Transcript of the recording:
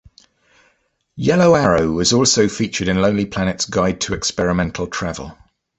"Yellow Arrow" was also featured in Lonely Planet's Guide to Experimental Travel.